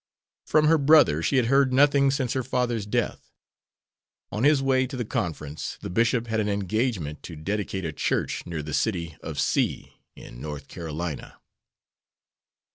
From her brother she had heard nothing since her father's death. On his way to the conference, the bishop had an engagement to dedicate a church, near the city of C , in North Carolina.